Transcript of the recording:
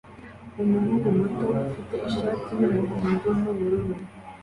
Umuhungu muto ufite ishati yumuhondo nubururu